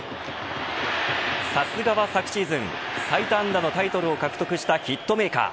さすがは昨シーズン最多安打のタイトルを獲得したヒットメーカー。